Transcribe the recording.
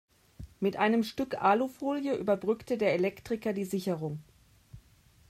Mit einem Stück Alufolie überbrückte der Elektriker die Sicherung.